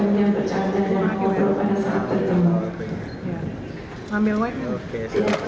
berjalan yang bercahaya dan mengobrol pada saat bertemu